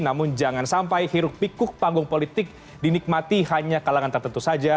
namun jangan sampai hiruk pikuk panggung politik dinikmati hanya kalangan tertentu saja